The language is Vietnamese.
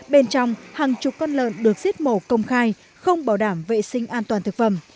bên trong hàng chục con lợn được giết mổ công khai không bảo đảm vệ sinh an toàn thực phẩm